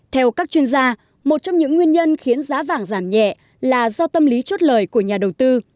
theo các chuyên gia một trong những nguyên nhân khiến giá vàng giảm nhẹ là do tâm lý chốt lời của nhà đầu tư